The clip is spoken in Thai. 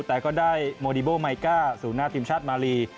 แต่ก็ได้โมดิโบไมก้าสู่หน้าทีมชาติมาลี